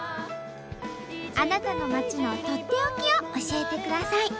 あなたの町のとっておきを教えてください。